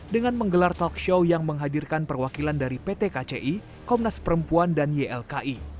dengan menggelar talk show yang menghadirkan perwakilan dari pt kci komnas perempuan dan ylki